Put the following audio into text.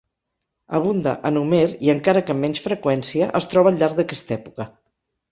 Abunda en Homer i encara que amb menys freqüència es troba al llarg d'aquesta època.